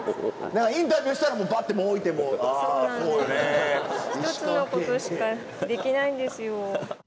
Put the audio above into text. インタビューしたらバッてもう置いて「あそうね」。一つのことしかできないんですよ。